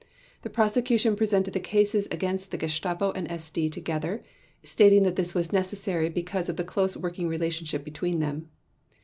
The Prosecution presented the cases against the Gestapo and SD together, stating that this was necessary because of the close working relationship between them.